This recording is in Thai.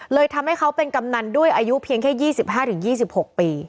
เลยทำให้เขาเป็นกำนันด้วยอายุเพียงแค่ยี่สิบห้าถึงยี่สิบหกปี